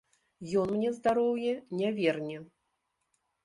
Ён мне здароўе не верне.